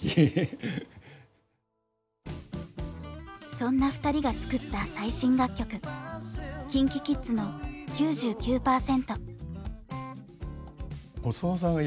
そんな２人が作った最新楽曲ＫｉｎＫｉＫｉｄｓの「９９％」。